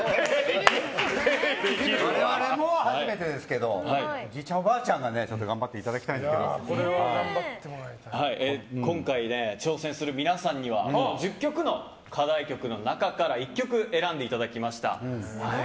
我々も初めてですけどおじいちゃん、おばあちゃんには今回挑戦する皆さんには１０曲の課題曲の中から１曲選んでいただきました。